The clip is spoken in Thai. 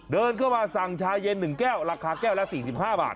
เดินเข้ามาสั่งชาเย็น๑แก้วราคาแก้วละ๔๕บาท